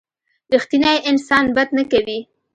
رښتینی انسان بد نه کوي.